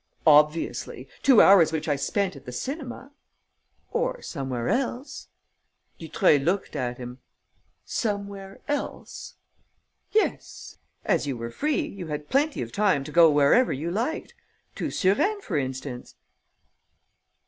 "Obviously. Two hours which I spent at the cinema." "Or somewhere else." Dutreuil looked at him: "Somewhere else?" "Yes. As you were free, you had plenty of time to go wherever you liked ... to Suresnes, for instance."